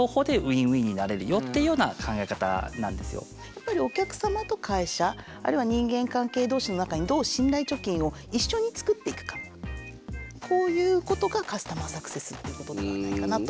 やっぱりお客様と会社あるいは人間関係同士の中にこういうことがカスタマーサクセスっていうことではないかなと。